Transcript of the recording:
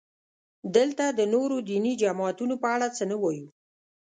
دلته د نورو دیني جماعتونو په اړه څه نه وایو.